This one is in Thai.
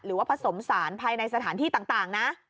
หรือว่าผสมสารภายในสถานที่ต่างนะ